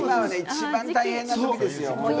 一番大変なときですよ。